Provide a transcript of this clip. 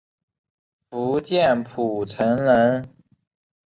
福建浦城人。